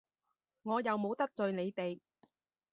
我又冇得罪你哋！